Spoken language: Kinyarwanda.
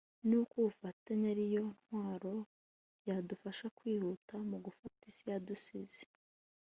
ni uko ubufatanye ariyo ntwaro yadufasha kwihuta mu gufata isi yadusize